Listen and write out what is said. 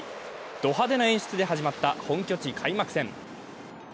ド派手な演出で始まった本拠地開幕戦。